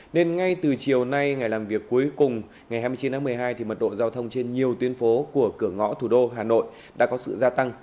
nên ngay từ chiều nay ngày làm việc cuối cùng ngày hai mươi chín tháng một mươi hai thì mật độ giao thông trên nhiều tuyến phố của cửa ngõ thủ đô hà nội đã có sự gia tăng